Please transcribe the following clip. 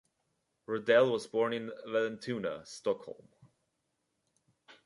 Rydell was born in Vallentuna, Stockholm.